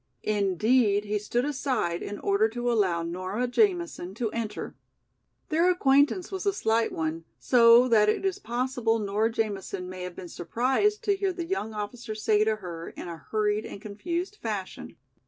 Indeed he stood aside in order to allow Nora Jamison to enter. Their acquaintance was a slight one, so that it is possible Nora Jamison may have been surprised to hear the young officer say to her in a hurried and confused fashion.